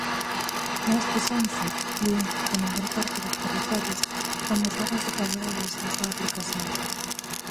Neste senso, din, a maior parte dos territorios "amosáronse favorábeis á súa aplicación".